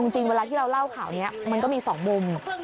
เวลาที่เราเล่าข่าวนี้มันก็มี๒มุม